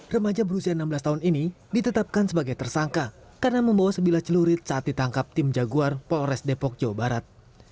remaja berusia enam belas tahun ini ditetapkan sebagai tersangka karena membawa sebilah celurit saat ditangkap tim jaguar polres depok jawa barat